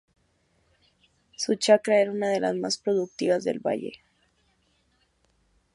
Su chacra era una de las más productivas del valle.